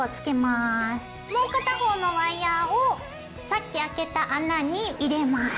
もう片方のワイヤーをさっきあけた穴に入れます。